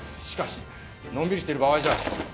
しかしのんびりしてる場合じゃ。